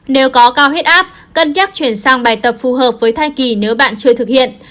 nếu có cao huyết áp cân nhắc chuyển sang bài tập phù hợp với thai kỳ nếu bạn chưa thực hiện